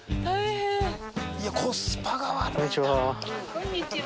こんにちは。